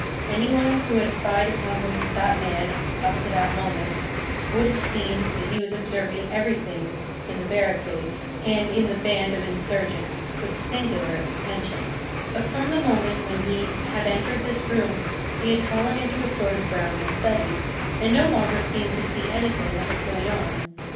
Any one who had spied upon that man up to that moment, would have seen that he was observing everything in the barricade and in the band of insurgents, with singular attention; but, from the moment when he had entered this room, he had fallen into a sort of brown study, and no longer seemed to see anything that was going on.